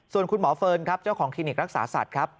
ส่วนคุณหมอเฟิร์นครับเจ้าของคลินิกรักษาสัตว์ครับ